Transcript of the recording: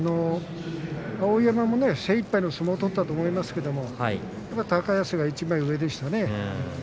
碧山も精いっぱいの相撲を取ったと思いますけれど高安が一枚上でしたね。